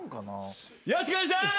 よろしくお願いします。